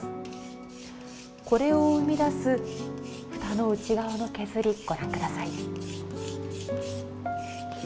これを生み出す蓋の内側の削りご覧下さい。